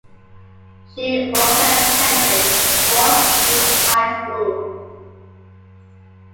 She also attended Fort Street High School.